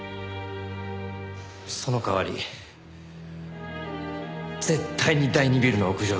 その代わり絶対に第２ビルの屋上だからな。